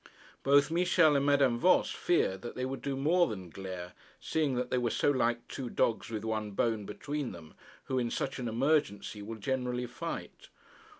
Both Michel and Madame Voss feared that they would do more than glare, seeing that they were so like two dogs with one bone between them, who, in such an emergency, will generally fight.